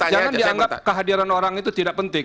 jangan dianggap kehadiran orang itu tidak penting